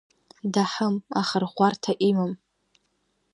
Даҳым, ахырӷәӷәарҭа имам.